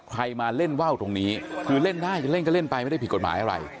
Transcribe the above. มาเล่นว่าวตรงนี้คือเล่นได้จะเล่นก็เล่นไปไม่ได้ผิดกฎหมายอะไร